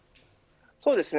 そうですね。